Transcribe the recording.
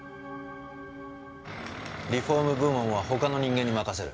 リフォーム部門は他の人間に任せる。